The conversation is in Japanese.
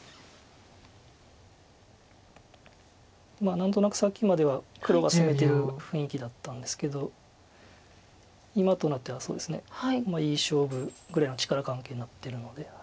何となくさっきまでは黒が攻めてる雰囲気だったんですけど今となってはそうですねいい勝負ぐらいの力関係になってるので。